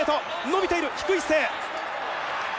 伸びている低い姿勢。